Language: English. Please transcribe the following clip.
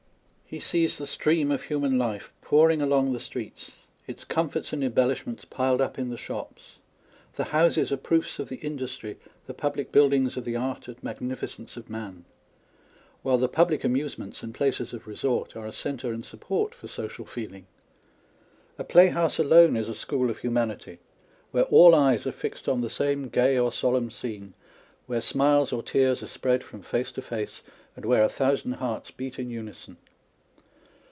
He sees the stream of human life pouring along the streets â€" its comforts and embellishments piled up in the shops â€" the houses are proofs of the industry, the public buildings of the art and magnificence of man ; while the public amusements and places of resort are a centre and support for social feeling. A playhouse alone is a school of humanity, where all eyes are fixed on the same gay or solemn scene, where smiles or tears are spread from face to face, and where a thousand hearts beat in unison